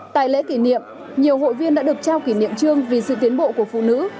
tại lễ kỷ niệm nhiều hội viên đã được trao kỷ niệm trương vì sự tiến bộ của phụ nữ